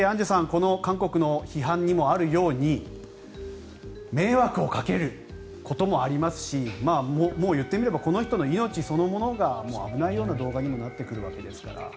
この韓国の批判にもあるように迷惑をかけることもありますしもう、言ってみればこの人の命そのものがもう危ないような動画にもなってくるわけですから。